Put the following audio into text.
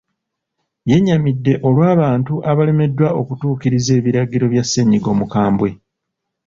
Yennyamidde olw'abantu abalemeddwa okutuukiriza ebiragiro bya ssennyiga omukambwe.